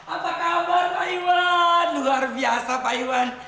apa kabar pak iwan luar biasa pak iwan